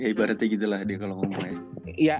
ya ibaratnya gitu lah adi kalo ngomongnya